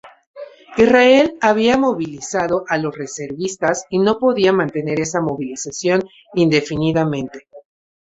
Israel había movilizado a los reservistas y no podía mantener esa movilización indefinidamente.